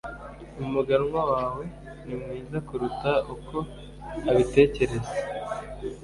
Umuganwa wawe ni mwiza kuruta uko abitekereza